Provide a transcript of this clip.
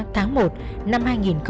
tháng một năm hai nghìn một mươi tám